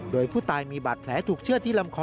โดยผู้ตายมีบาดแผลถูกเชื่อดที่ลำคอ